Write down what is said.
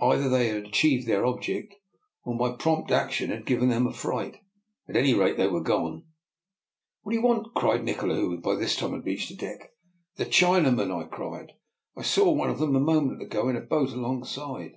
Either they had achieved their object, or my prompt action had given them a fright. At any rate, they were gone. " What do you want? " cried Nikola, who by this time had reached the deck. " The Chinamen! " I cried. " I saw one of them a moment ago in a boat alongside."